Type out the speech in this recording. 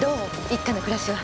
一課の暮らしは。